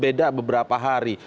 beda beberapa hari